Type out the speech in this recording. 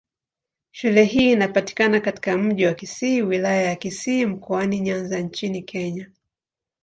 Shule hii inapatikana katika Mji wa Kisii, Wilaya ya Kisii, Mkoani Nyanza nchini Kenya.